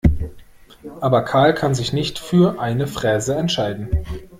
Aber Karl kann sich nicht für eine Fräse entscheiden.